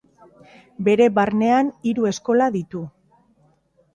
Bere barnean hiru eskola ditu.